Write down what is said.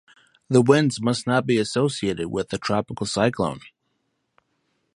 The winds must not be associated with a tropical cyclone.